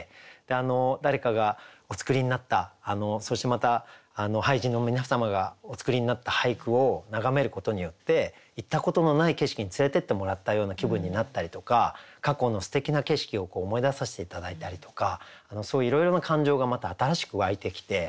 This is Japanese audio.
誰かがお作りになったそしてまた俳人の皆様がお作りになった俳句を眺めることによって行ったことのない景色に連れてってもらったような気分になったりとか過去のすてきな景色を思い出させて頂いたりとかそういういろいろな感情がまた新しく湧いてきて。